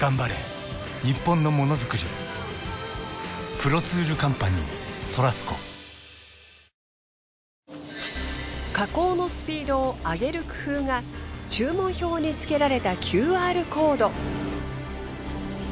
このＱＲコードに更なる加工のスピードを上げる工夫が注文票につけられたＱＲコード。